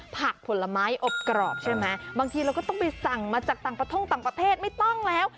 ผลไม้อบกรอบใช่ไหมบางทีเราก็ต้องไปสั่งมาจากต่างประท่งต่างประเทศไม่ต้องแล้ว